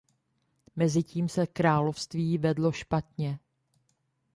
Mezitím se království vedlo špatně.